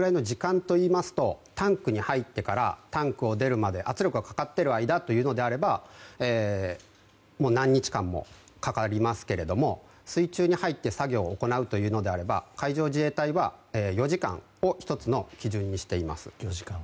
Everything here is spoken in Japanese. タンクに入ってからタンクを出るまで、圧力がかかっている間というのであれば何日間もかかりますけれども水中に入って作業を行うというのであれば海上自衛隊は４時間を１つの基準にしています。